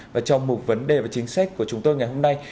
và trong mục vấn đề và chính sách của chúng tôi ngày hôm nay